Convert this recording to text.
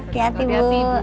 terima kasih ibu